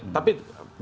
kulturnya seperti itu